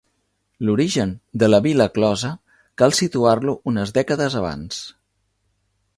L'origen de la vila closa cal situar-lo unes dècades abans.